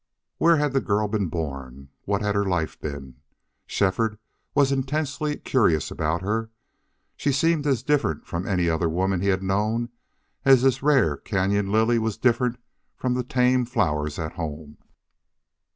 Where had the girl been born what had her life been? Shefford was intensely curious about her. She seemed as different from any other women he had known as this rare cañon lily was different from the tame flowers at home.